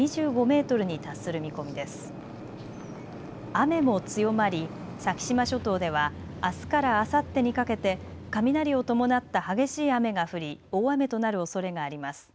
雨も強まり先島諸島ではあすからあさってにかけて雷を伴った激しい雨が降り大雨となるおそれがあります。